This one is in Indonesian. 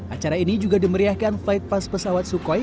acara ini juga dimeriahkan flight pass pesawat sukhoi